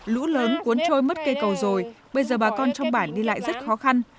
lũ lớn cuốn trôi mất cây cầu rồi bây giờ bà con trong bản đi lại rất khó khăn